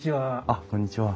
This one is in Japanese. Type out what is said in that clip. あっこんにちは。